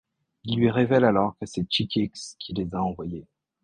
Ils lui révèlent alors que c'est Chick Hicks qui les a envoyés.